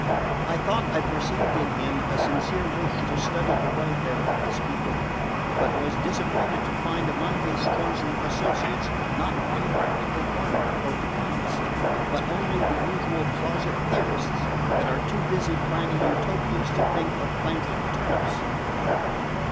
I thought I perceived in him a sincere wish to study the welfare of his people; but was disappointed to find among his chosen associates not one practical farmer or economist, but only the usual closet theorists that are too busy planning Utopias to think of planting turnips.